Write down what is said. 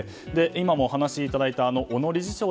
今もお話いただいた小野理事長